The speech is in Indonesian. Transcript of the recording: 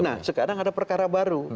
nah sekarang ada perkara baru